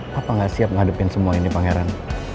papa gak siap ngadepin semuanya ini pangeran